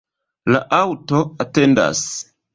La aŭto atendas.